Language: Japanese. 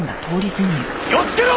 気をつけろ！